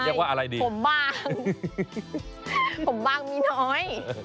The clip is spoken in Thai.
เดี๋ยวว่าอะไรดีผมบางผมบางมีน้อย